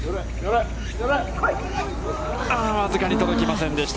僅かに届きませんでした。